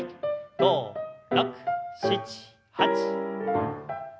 ５６７８。